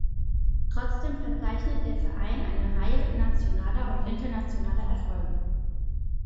Trotzdem verzeichnet der Verein eine Reihe nationaler und internationaler Erfolge.